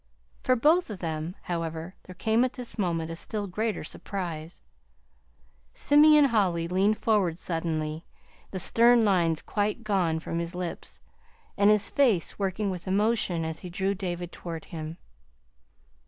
For both of them, however, there came at this moment a still greater surprise. Simeon Holly leaned forward suddenly, the stern lines quite gone from his lips, and his face working with emotion as he drew David toward him.